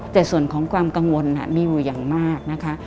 แต่ส่วนของความกังวลมีอยู่อย่างมากนะคะ